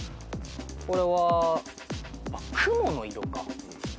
これはあっ雲の色か。